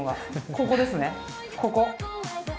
ここですね、ここ。